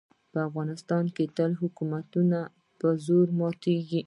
په افغانستان کې تل حکومتونه په زور ماتېږي.